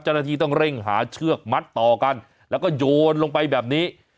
เจ้าหน้าที่ต้องเร่งหาเชือกมัดต่อกันแล้วก็โยนลงไปแบบนี้